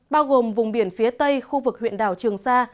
bao gồm vùng biển phía tây khu vực huyện đảo trường sa